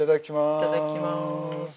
いただきます。